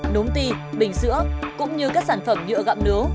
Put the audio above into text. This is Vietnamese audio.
nốm ti bình sữa cũng như các sản phẩm nhựa gặm nướu